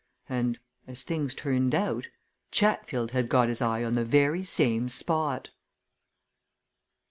And as things turned out, Chatfield had got his eye on the very same spot!"